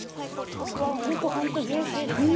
お肉ホントジューシーですね。